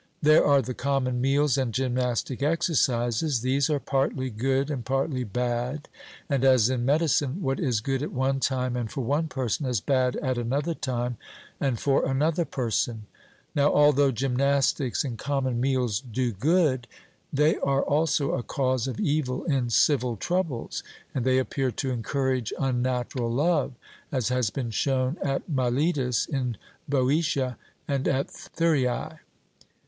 'There are the common meals and gymnastic exercises.' These are partly good and partly bad, and, as in medicine, what is good at one time and for one person, is bad at another time and for another person. Now although gymnastics and common meals do good, they are also a cause of evil in civil troubles, and they appear to encourage unnatural love, as has been shown at Miletus, in Boeotia, and at Thurii.